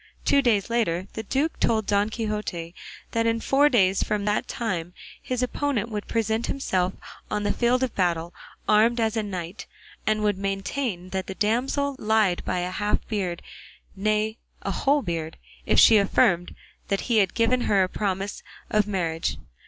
Two days later the duke told Don Quixote that in four days from that time his opponent would present himself on the field of battle armed as a knight, and would maintain that the damsel lied by half a beard, nay a whole beard, if she affirmed that he had given her a promise of marriage.